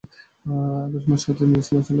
অগষ্ট মাসে Miss Muller আসতে পারবেন না।